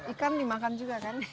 ikan dimakan juga kan